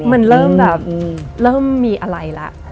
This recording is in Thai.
มันเริ่มแบบเริ่มมีอะไรแล้ว